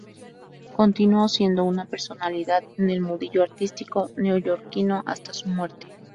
Continuó siendo una personalidad en el mundillo artístico neoyorquino hasta su muerte.